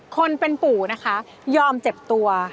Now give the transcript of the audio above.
คนเป็นปู่นะคะยอมเจ็บตัว